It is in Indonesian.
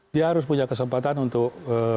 dia harus punya kesempatan untuk